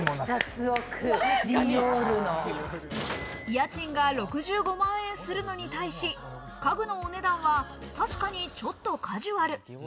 家賃が６５万円するのに対し、家具のお値段は確かにちょっとカジュアル。